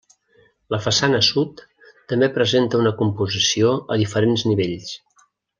La façana sud, també presenta una composició a diferents nivells.